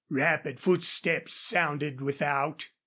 Rapid footsteps sounded without.